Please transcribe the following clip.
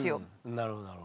なるほどなるほど。